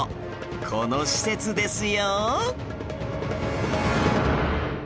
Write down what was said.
この施設ですよ